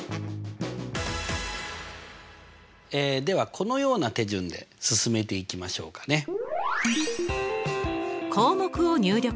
ではこのような手順で進めていきましょうかね。